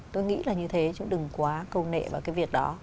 tôi nghĩ là như thế chứ đừng quá câu nệ vào cái việc đó